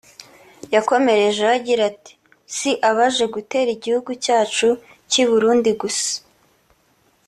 yakomerejeho agira ati “Si abaje gutera igihugu cyacu cy’u Burundi gusa